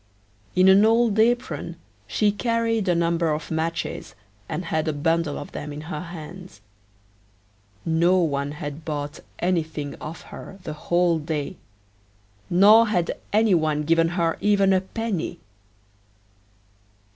In an old apron she carried a number of matches, and had a bundle of them in her hands. No one had bought anything of her the whole day, nor had any one given here even a penny.